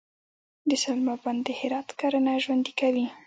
د سلما بند د هرات کرنه ژوندي کوي